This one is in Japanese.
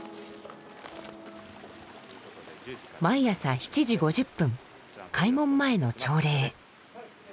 毎朝７時５０分開門前の朝礼。